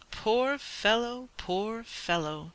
"Poor fellow, poor fellow!"